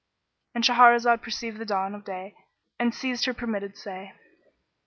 "—And Shahrazad perceived the dawn of day and ceased saying her permitted say.